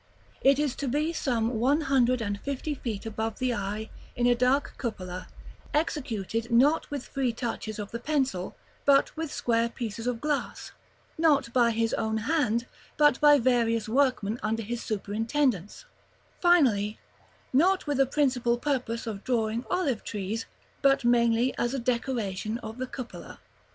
It is to be some one hundred and fifty feet above the eye, in a dark cupola; executed not with free touches of the pencil, but with square pieces of glass; not by his own hand, but by various workmen under his superintendence; finally, not with a principal purpose of drawing olive trees, but mainly as a decoration of the cupola.